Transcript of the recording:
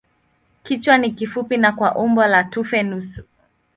Kichwa ni kifupi na kwa umbo la tufe nusu.